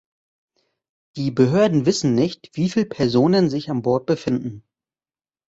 Die Behörden wissen nicht, wieviel Personen sich an Bord befinden.